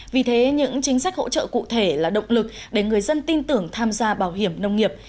vì thế những chính sách hỗ trợ cụ thể là động lực để người dân tin tưởng tham gia bảo hiểm nông nghiệp